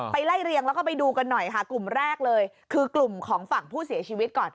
ไล่เรียงแล้วก็ไปดูกันหน่อยค่ะกลุ่มแรกเลยคือกลุ่มของฝั่งผู้เสียชีวิตก่อน